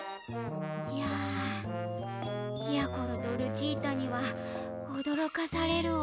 いややころとルチータにはおどろかされるわ。